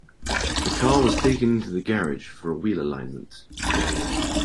The car was taken into the garage for a Wheel Alignment.